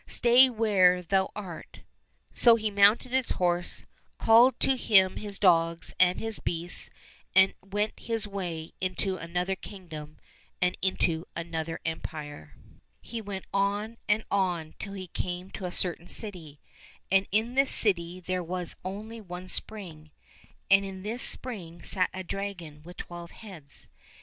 Stay where thou art." So he mounted his horse, called to him his dogs and his beasts, and went his way into another kingdom and into another empire. 74 LITTLE TSAR NOVISHNY He went on and on till he came to a certain city, and in this city there was only one spring, and in this spring sat a dragon with twelve heads.